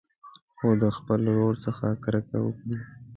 خو د خپل ورور څخه کرکه وکړي.